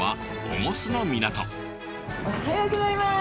おはようギョざいます。